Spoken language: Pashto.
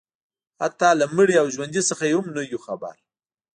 حتی له مړي او ژوندي څخه یې هم نه یو خبر